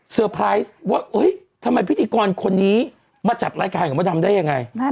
ไพรส์ว่าทำไมพิธีกรคนนี้มาจัดรายการกับมดดำได้ยังไง